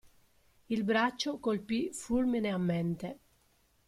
Il braccio colpì fulmineamente.